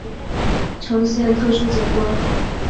呈现特殊景观